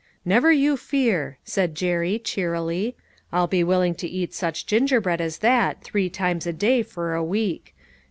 "Never you fear," said Jerry, cheerily. "I'll be willing to eat such gingerbread as that three times a day for a week.